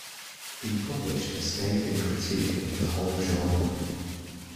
He published a scathing critique of the whole genre.